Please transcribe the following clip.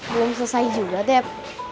belum selesai juga deb